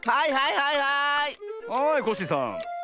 はいコッシーさん。